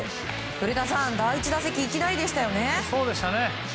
古田さん、第１打席いきなりでしたよね。